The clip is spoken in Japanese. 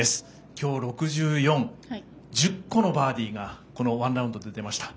今日、６４１０個ののバーディーがこの１ラウンドで出ました。